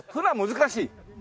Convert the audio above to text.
難しい。